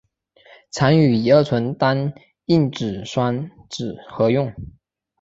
常与乙二醇单硬脂酸酯合用。